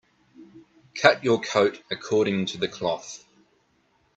Cut your coat according to the cloth.